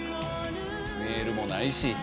メールもないし。